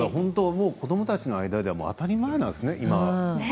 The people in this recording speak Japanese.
子どもたちの間では当たり前なんですね